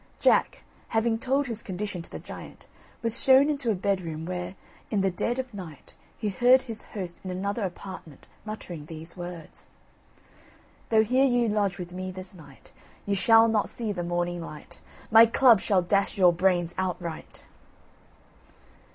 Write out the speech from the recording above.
Jack, having told his condition to the giant, was shown into a bedroom, where, in the dead of night, he heard his host in another apartment muttering these words: "Though here you lodge with me this night, You shall not see the morning light My club shall dash your brains outright!"